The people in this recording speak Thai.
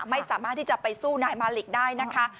ไม่สามารถที่จะไปสู้นายมาลิกได้นะคะ